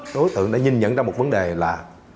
đối tượng đã nhìn nhận ra một vấn đề là